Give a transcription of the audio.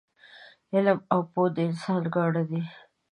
علم او پوه د انسان ګاڼه ده